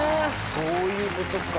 そういうことか。